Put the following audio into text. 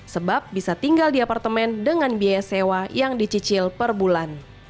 sebab bisa tinggal di apartemen dengan biaya sewa yang dicicil per bulan